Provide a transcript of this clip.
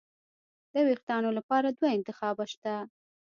د وېښتانو لپاره دوه انتخابه شته.